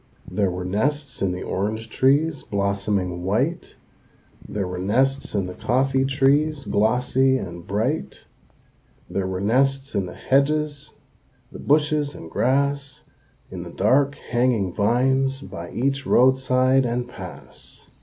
There were nests in the orange trees, blossoming white, There were nests in the coffee trees, glossy and bright, There were nests in the hedges, the bushes and grass, In the dark, hanging vines, by each roadside and pass.